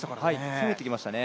攻めてきましたね。